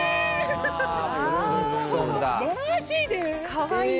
かわいい。